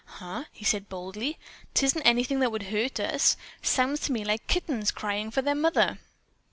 "Huh!" he said boldly. "'Tisn't anything that would hurt us. Sounds to me like kittens crying for their mother."